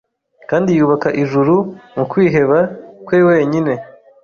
Kandi yubaka ijuru mu kwiheba kwe wenyine